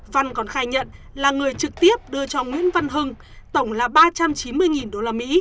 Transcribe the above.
văn còn khai nhận là người trực tiếp đưa cho nguyễn văn hưng tổng là ba trăm chín mươi usd